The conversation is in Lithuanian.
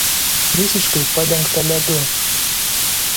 Visiškai padengta ledu.